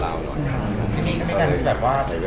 อะหลีแล้ว